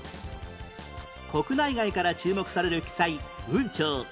国内外から注目される奇才雲蝶